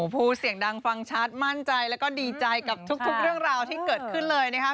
พูดเสียงดังฟังชัดมั่นใจแล้วก็ดีใจกับทุกเรื่องราวที่เกิดขึ้นเลยนะครับ